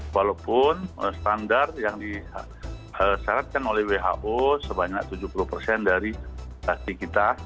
walaupun standar yang disyaratkan oleh who sebanyak tujuh puluh persen dari taksi kita